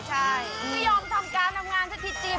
จะยอมทำการทำงานจะจีบจีบ